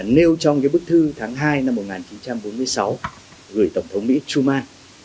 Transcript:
nêu trong cái bức thư tháng hai năm một nghìn chín trăm bốn mươi sáu gửi tổng thống mỹ truman